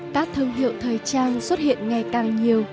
các thương hiệu thời trang xuất hiện ngày càng nhiều